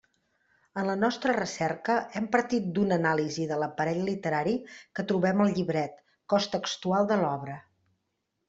En la nostra recerca hem partit d'una anàlisi de l'aparell literari que trobem al llibret, cos textual de l'obra.